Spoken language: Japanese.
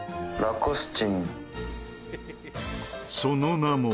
その名も。